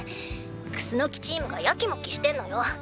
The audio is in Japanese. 楠チームがやきもきしてんのよ。